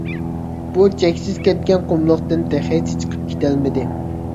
بۇ چەكسىز كەتكەن قۇملۇقتىن تېخىچە چىقىپ كېتەلمىدى.